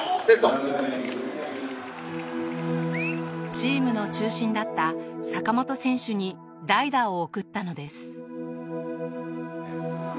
チームの中心だった坂本選手に代打を送ったのです。